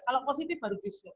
kalau positif baru diswep